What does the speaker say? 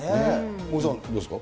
森さん、どうですか？